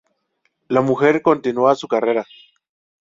La mujer continúa su carrera.